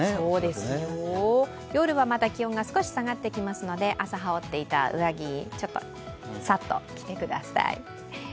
夜はまた気温が少し下がってきますので朝羽織っていた上着、ちょっとさっと着てください。